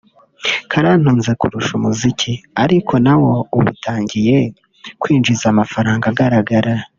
karantunze kurusha umuziki ariko na wo ubu utangiye kwinjiza amafaranga agaragara